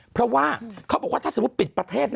เพราะว่าเขาบอกว่าถ้าสมมุติปิดประเทศ